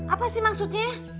apa sih maksudnya